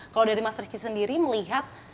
kalau dari mas rifki sendiri melihat